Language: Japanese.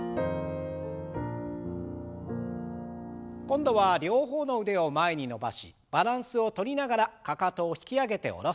今度は両方の腕を前に伸ばしバランスをとりながらかかとを引き上げて下ろす運動。